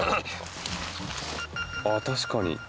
ああ確かに。